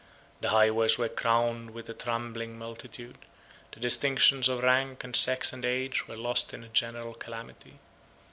The highways were crowded with a trembling multitude: the distinctions of rank, and sex, and age, were lost in the general calamity.